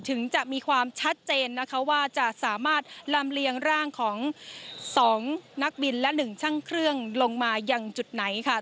ถึงจะมีความชัดเจนนะคะว่าจะสามารถลำเลียงร่างของ๒นักบินและ๑ช่างเครื่องลงมายังจุดไหนค่ะ